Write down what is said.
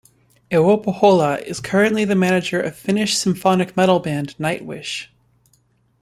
Ewo Pohjola is currently the manager of Finnish symphonic metal band Nightwish.